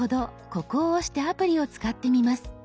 ここを押してアプリを使ってみます。